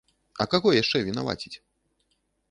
А каго яшчэ вінаваціць?